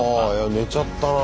寝ちゃったなぁ